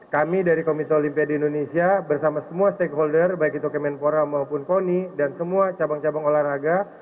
kami dari komite olimpiade indonesia bersama semua stakeholder baik itu kemenpora maupun koni dan semua cabang cabang olahraga